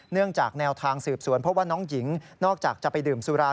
จากแนวทางสืบสวนเพราะว่าน้องหญิงนอกจากจะไปดื่มสุรา